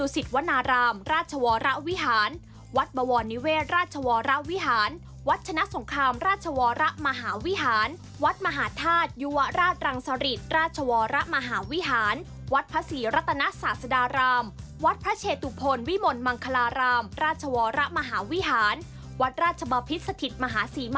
สำหรับเส้นทางไหว้พระทั้งสิบวัตรจะเริ่มต้นที่